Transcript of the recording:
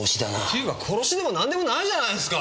ていうか殺しでもなんでもないじゃないですか！